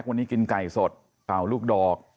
วันนี้กินไก่สดเป่าลูกดอก